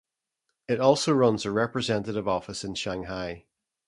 It also runs a representative office in Shanghai.